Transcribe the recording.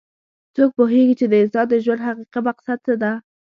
څوک پوهیږي چې د انسان د ژوند حقیقي مقصد څه ده